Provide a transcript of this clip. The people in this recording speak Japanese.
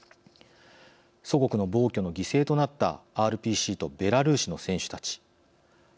祖国の暴挙の犠牲となったＲＰＣとベラルーシの選手たち。